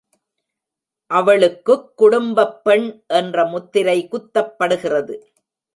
அவளுக்குக் குடும்பப் பெண் என்ற முத்திரை குத்தப் படுகிறது.